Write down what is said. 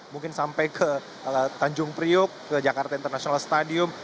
mungkin sampai ke tanjung priuk ke jakarta international stadium